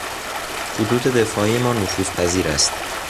خطوط دفاعی ما نفوذپذیر است.